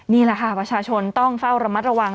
นี่แหละค่ะประชาชนต้องเฝ้าระมัดระวัง